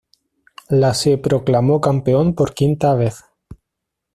La se proclamó campeón por quinta vez.